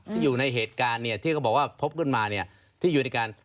ที่อยู่ในเหตุการณ์เนี่ยที่เขาบอกว่าพบขึ้นมาเนี่ยที่อยู่ในการ